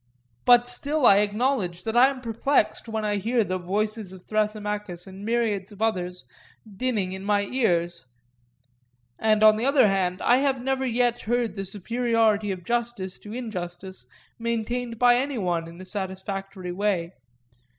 But still I acknowledge that I am perplexed when I hear the voices of Thrasymachus and myriads of others dinning in my ears; and, on the other hand, I have never yet heard the superiority of justice to injustice maintained by any one in a satisfactory way.